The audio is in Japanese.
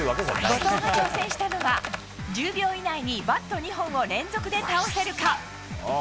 後藤が挑戦したのは、１０秒以内にバット２本を連続で倒せるか。